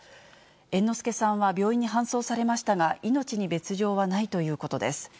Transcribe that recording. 猿之助さんは病院に搬送されましたが、命に別状はないということです。